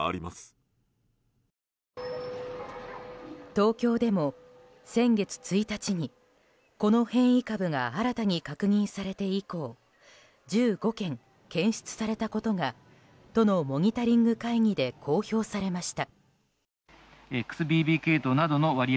東京でも先月１日にこの変異株が新たに確認されて以降、１５件検出されたことが都のモニタリング会議で公表されました。